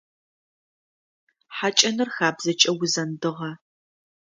Хьакӏэныр хабзэкӏэ узэндыгъэ.